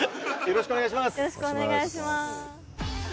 よろしくお願いします。